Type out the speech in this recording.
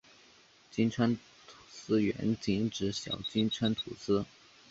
金川土司原仅指小金川土司。